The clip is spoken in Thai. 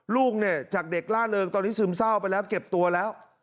ลูกเนี่ยจากเด็กล่าเริงตอนนี้ซึมเศร้าไปแล้วเก็บตัวแล้ว